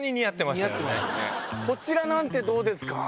こちらなんてどうですか？